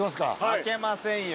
負けませんよ。